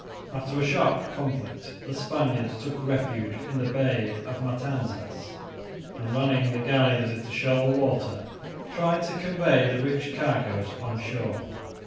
After a sharp conflict, the Spaniards took refuge in the bay of Matanzas and, running the galleons into shoal water, tried to convey the rich cargoes on shore.